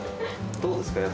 どうですか？